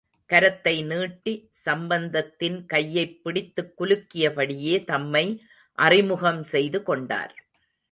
கரத்தை நீட்டி, சம்பந்தத்தின் கையைப் பிடித்துக் குலுக்கியபடியே தம்மை அறிமுகம் செய்து கொண்டார்.